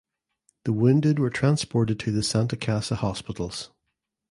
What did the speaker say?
The wounded were transported to the Santa Casa hospitals.